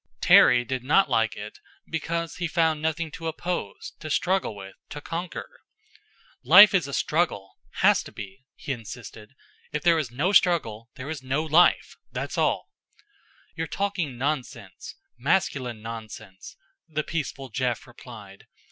Terry did not like it because he found nothing to oppose, to struggle with, to conquer. "Life is a struggle, has to be," he insisted. "If there is no struggle, there is no life that's all." "You're talking nonsense masculine nonsense," the peaceful Jeff replied.